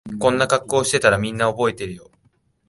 こんな格好してたらみんな覚えてるよ